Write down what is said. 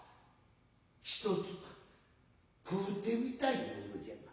一つ食うてみたいものじゃが。